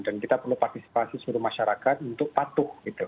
dan kita perlu partisipasi seluruh masyarakat untuk patuh gitu